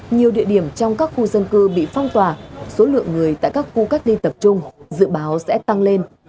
nhiều địa điểm trong các khu dân cư bị phong tỏa số lượng người tại các khu cách ly tập trung dự báo sẽ tăng lên